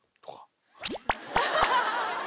アハハハハ！